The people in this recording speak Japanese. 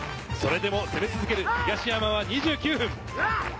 それでも攻め続ける東山は２９分。